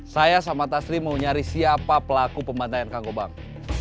saya sama taslim mau nyari siapa pelaku pembandaian kang gobang